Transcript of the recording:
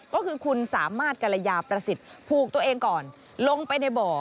ก็คือคุณสามารถกรยาประสิทธิ์ผูกตัวเองก่อนลงไปในบ่อ